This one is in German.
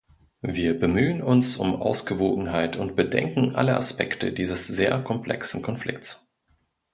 Wir bemühen uns um Ausgewogenheit und bedenken alle Aspekte dieses sehr komplexen Konflikts.